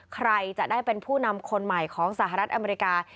ใครจะได้เป็นผู้นำคนใหม่ของสหรัฐอเมริกา